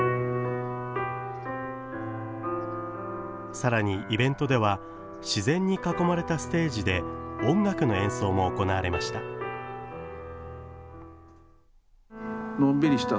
さらにイベントでは自然に囲まれたステージで音楽の演奏も行われました。